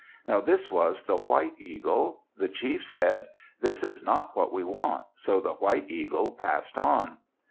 Now this was the white eagle. The chief said, "This is not what we want," so the white eagle passed on.